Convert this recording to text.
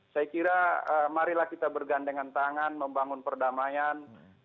saya kira marilah kita bergandengan tangan membangun perdamaian